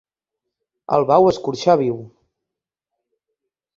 El vau escorxar viu.